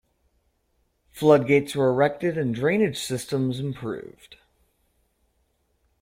Flood gates were erected and drainage systems improved.